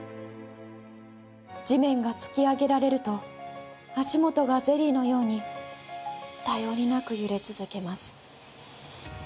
「地面がつきあげられると足元がゼリーのようにたよりなくゆれ続けます」